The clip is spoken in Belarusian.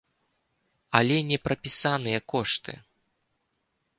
Але не прапісаныя кошты.